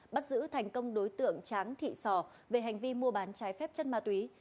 bắt giữ thành công đối tượng tráng thị sò về hành vi mua bán trái phép chất ma túy